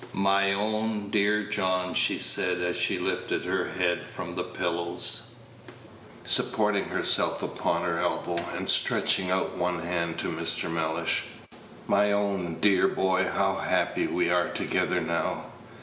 "My own dear John," she said, as she lifted her head from the pillows, supporting herself upon her elbow, and stretching out one hand to Mr. Mellish, "my own dear boy, how happy we are together now!